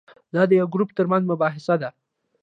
دا د یو ګروپ ترمنځ مباحثه ده.